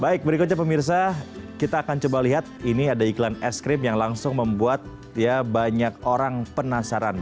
baik berikutnya pemirsa kita akan coba lihat ini ada iklan es krim yang langsung membuat banyak orang penasaran